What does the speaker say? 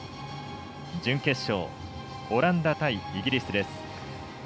準決勝、オランダ対イギリス。